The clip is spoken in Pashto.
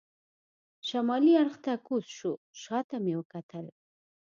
شمالي اړخ ته کوز شو، شا ته مې وکتل.